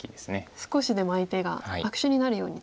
少しでも相手が悪手になるようにと。